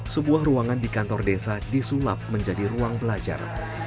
sebuah ruangan di kantor desa disulap menjadi ruang belajar